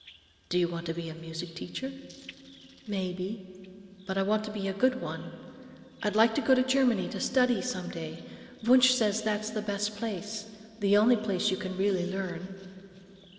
"Do you want to be a music teacher?" "Maybe, but I want to be a good one. I'd like to go to Germany to study, some day. Wunsch says that's the best place,—the only place you can really learn."